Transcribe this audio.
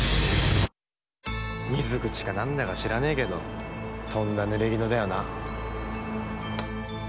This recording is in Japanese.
水口か何だか知らねえけどとんだぬれぎぬだよな。